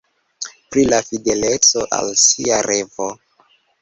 Pri la fideleco al sia revo.